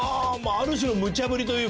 ある種のむちゃ振りというか？